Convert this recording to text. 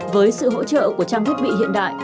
với sự hỗ trợ của trang thiết bị hiện đại